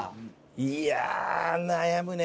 いやあ悩むね。